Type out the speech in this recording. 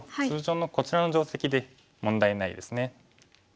通常のこちらの定石で問題ないですね。